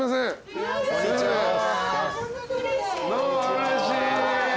うれしい。